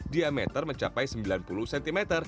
diameter mencapai sembilan puluh cm